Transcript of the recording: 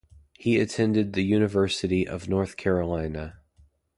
He attended the University of North Carolina.